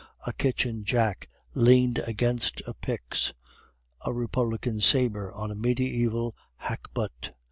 A kitchen jack leaned against a pyx, a republican sabre on a mediaeval hackbut.